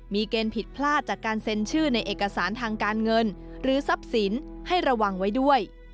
มีเกณฑ์ผิดพลาดจากการเซ็นชื่อในเอกสารทางการเงินหรือทรัพย์สินให้ระวังไว้ด้วย